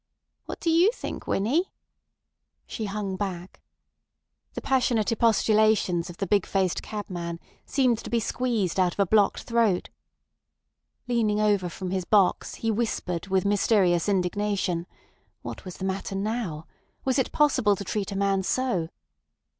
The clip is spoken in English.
"What do you think, Winnie?" She hung back. The passionate expostulations of the big faced cabman seemed to be squeezed out of a blocked throat. Leaning over from his box, he whispered with mysterious indignation. What was the matter now? Was it possible to treat a man so?